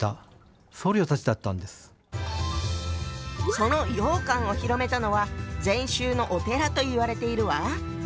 その羊羹を広めたのは禅宗のお寺といわれているわ。